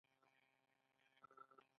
همدا سزا سیدي مولا ته هم ورکړل شوې وه.